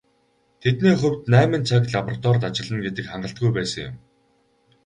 Тэдний хувьд найман цаг лабораторид ажиллана гэдэг хангалтгүй байсан юм.